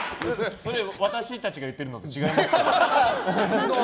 それ私たちが言ってるのと違いますね。